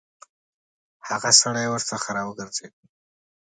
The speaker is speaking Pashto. هغه سړی ورڅخه راوګرځېد.